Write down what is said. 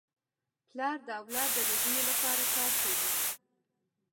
پلار د اولاد د روزني لپاره کار کوي.